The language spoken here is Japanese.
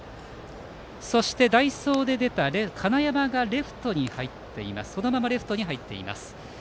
そして、代走で出た金山がそのままレフトに入っています。